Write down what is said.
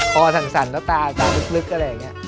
คอสั่งสั่นแล้วตาลึกอะไรอย่างนี้